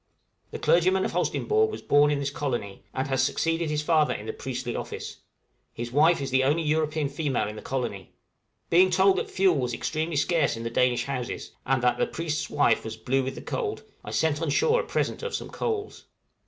The clergyman of Holsteinborg was born in this colony, and has succeeded his father in the priestly office; his wife is the only European female in the colony. Being told that fuel was extremely scarce in the Danish houses, and that "the priest's wife was blue with the cold," I sent on shore a present of some coals.